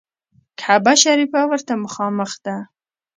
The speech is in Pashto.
کعبه شریفه ورته مخامخ ده.